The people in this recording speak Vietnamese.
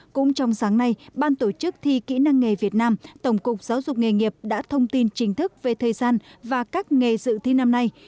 cũng trong sáng nay ban tổ chức thi kỹ năng nghề việt nam tổng cục giáo dục nghề nghiệp đã thông tin chính thức về thời gian và các nghề dự thi năm nay